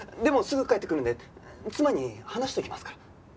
でもすぐ帰ってくるんで妻に話しておきますから。